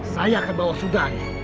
saya akan bawa sundari